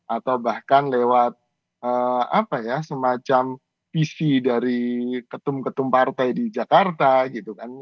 atau bahkan lewat semacam visi dari ketum ketum partai di jakarta gitu kan